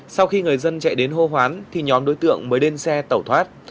sau khi người dân chạy đến hô hoán thì nhóm đối tượng mới lên xe tẩu thoát